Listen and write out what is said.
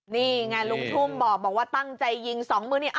นี่ไงลุงทุ่มบอกว่าตั้งใจยิง๒มือนี่